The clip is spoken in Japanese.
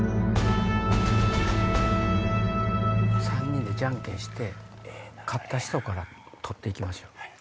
３人でじゃんけんして勝った人から取って行きましょ。